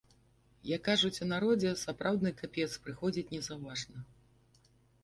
Як кажуць у народзе, сапраўдны капец прыходзіць незаўважна.